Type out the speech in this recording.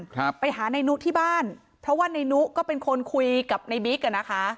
ครับไปหานายนุที่บ้านเพราะว่าในนุก็เป็นคนคุยกับในบิ๊กอ่ะนะคะ